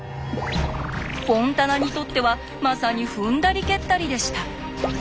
フォンタナにとってはまさに踏んだり蹴ったりでした。